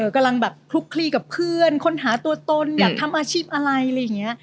กำลังหลุบคลี้กับเพื่อนคนหาตัวตนอยากทำอาชีพอะไร